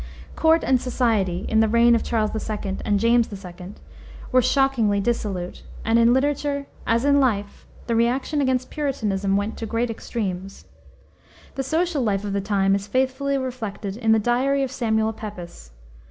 Court and society, in the reign of Charles II. and James II., were shockingly dissolute, and in literature, as in life, the reaction against Puritanism went to great extremes. The social life of the time is faithfully reflected in the diary of Samuel Pepys.